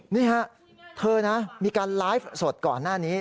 นี่ฮะเธอนะมีการไลฟ์สดก่อนหน้านี้